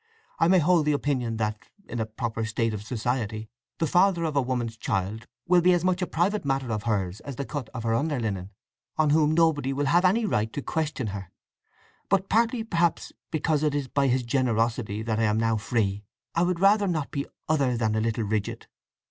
I may hold the opinion that, in a proper state of society, the father of a woman's child will be as much a private matter of hers as the cut of her underlinen, on whom nobody will have any right to question her. But partly, perhaps, because it is by his generosity that I am now free, I would rather not be other than a little rigid.